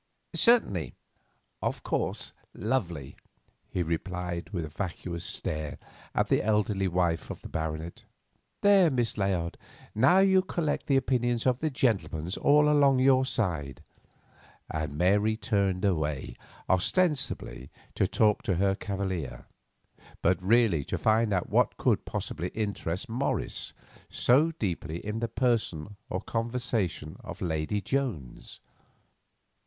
"Certainly, of course; lovely," he replied, with a vacuous stare at the elderly wife of the baronet. "There, Miss Layard, now you collect the opinions of the gentlemen all along your side." And Mary turned away, ostensibly to talk to her cavalier; but really to find out what could possibly interest Morris so deeply in the person or conversation of Lady Jones.